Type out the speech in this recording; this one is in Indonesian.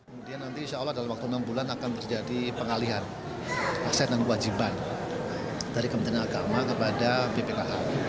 kemudian nanti insya allah dalam waktu enam bulan akan terjadi pengalihan aset dan kewajiban dari kementerian agama kepada bpkh